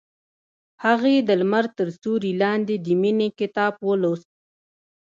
هغې د لمر تر سیوري لاندې د مینې کتاب ولوست.